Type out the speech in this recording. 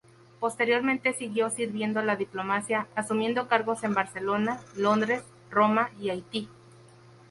Posteriormente siguió sirviendo a la diplomacia, asumiendo cargos en Barcelona, Londres, Roma y Haití.